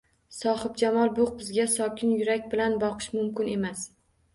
Sohibjamol bu qizga sokin yurak bilan boqish mumkin emas.